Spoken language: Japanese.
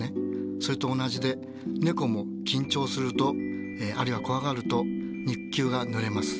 それと同じでねこも緊張するとあるいは怖がると肉球がぬれます。